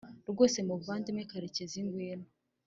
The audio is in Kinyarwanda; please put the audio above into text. ”rwose muvandimwe karekezi ngwino